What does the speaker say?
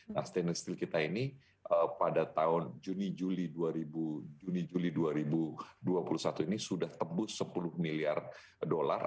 nah stainless steel kita ini pada tahun juni juli juli dua ribu dua puluh satu ini sudah tembus sepuluh miliar dolar